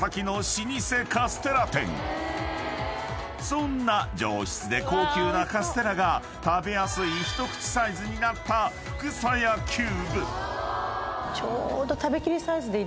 ［そんな上質で高級なカステラが食べやすい一口サイズになったフクサヤキューブ］